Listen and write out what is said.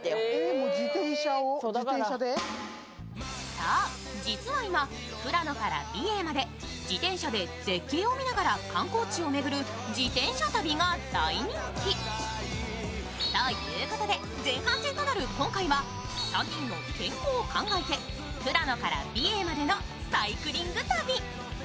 そう、実は今富良野から美瑛まで自転車で絶景を見ながら観光地を巡る自転車旅が大人気。ということで前半戦となる今回は３人の健康を考えて富良野から美瑛までのサイクリング旅。